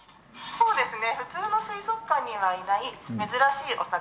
そうですね。